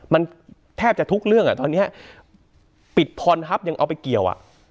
มันแทบจะทุกเรื่องอ่ะตอนนี้ปิดพรฮัพยังเอาไปเกี่ยวอ่ะ